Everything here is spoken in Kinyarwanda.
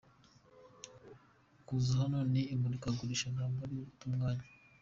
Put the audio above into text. Kuza hano mu imurikagurisha ntabwo ari uguta umwanya”.